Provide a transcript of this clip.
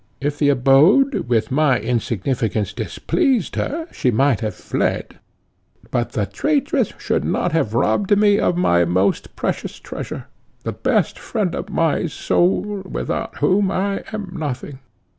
If the abode with my insignificance displeased her, she might have fled; but the traitress should not have robbed me of my most precious treasure, the best friend of my soul, without whom I am nothing.